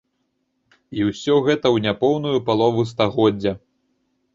І ўсё гэта ў няпоўную палову стагоддзя.